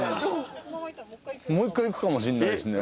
もう１回行くかもしんないですね。